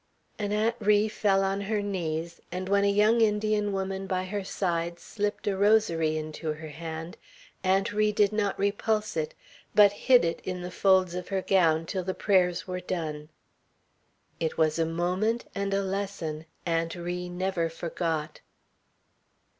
And Aunt Ri fell on her knees; and when a young Indian woman by her side slipped a rosary into her hand, Aunt Ri did not repulse it, but hid it in the folds of her gown till the prayers were done. It was a moment and a lesson Aunt Ri never forgot.